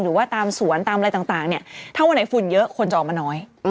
หรือว่าตามสวนตามอะไรต่างเนี่ยถ้าวันไหนฝุ่นเยอะคนจะออกมาน้อย